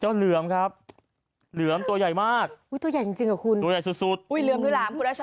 เจ้าเหลือมครับเหลือมตัวใหญ่มากอุ๊ยตัวใหญ่จริงเดะคุณอย่างสุดสุดให้เราจะ